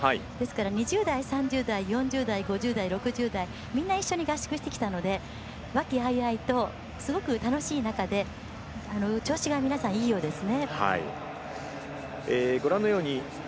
２０代３０代４０代５０代みんな一緒に合宿してきたので和気あいあいとすごく楽しい中で調子が皆さん、いいようですね。